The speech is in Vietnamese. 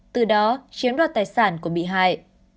từ đó chiếm đoạt tài sản của bị hại